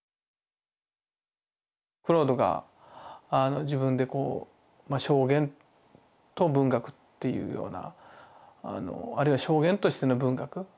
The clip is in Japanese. クロードが自分で「証言と文学」っていうようなあるいは「証言としての文学」